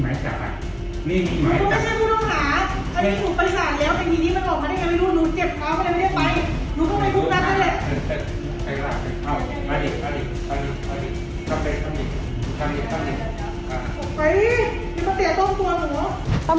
ไม่เคยหัวหล่างหัวว่า